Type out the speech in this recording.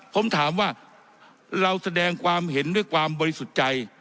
ผมถามว่าเราแสดงความเห็นด้วยความบริสุทธิ์ใจ